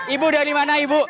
ibu dari mana ibu